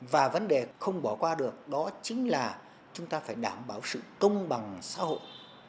và vấn đề không bỏ qua được đó chính là chúng ta phải đảm bảo sự công bằng xã hội